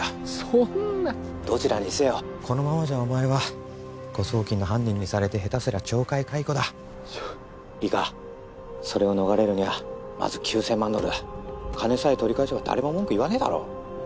そんなどちらにせよこのままじゃお前は誤送金の犯人にされて下手すりゃ懲戒解雇だちょ☎いいかそれを逃れるには☎まず９千万ドルだ☎金さえ取り返せば誰も文句言わねえだろ